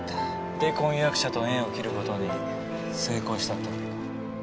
で婚約者と縁を切る事に成功したってわけか。